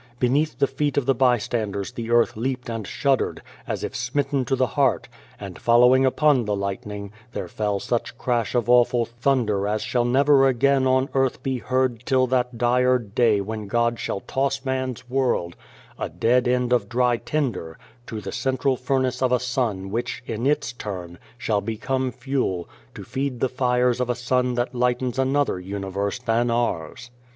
Beneath the feet of the bystanders the earth leaped and shuddered, as if smitten to the heart, and, following upon the lightning, there fell such crash of awful thunder as shall never again on earth be heard till that dire day when 140 Beyond the Door God shall toss man's world a dead end of dry tinder to the central furnace of a sun which, in its turn, shall become fuel, to feed the fires of a sun that lightens another universe than ours.